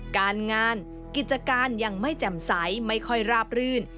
การงานกิจการยังไม่แจ่มใสไม่ค่อยราบรื่น